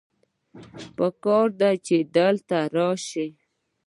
پکار دی چې ته دلته راسې